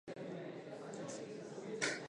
加罗讷河畔萨莱。